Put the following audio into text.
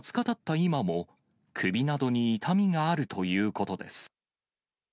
今も、首などに痛みがあるということです。